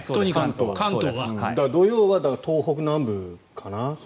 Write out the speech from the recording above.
土曜は東北南部かな。